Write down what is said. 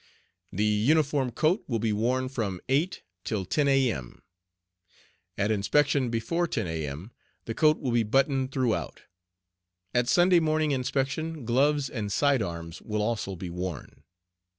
The uniform coat will be worn from 8 till 10 A.M.; at Inspection before 10 A.M. the coat will be buttoned throughout; at Sunday Morning Inspection gloves and side arms will also be worn.